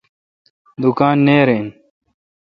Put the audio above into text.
دوکان نیر این۔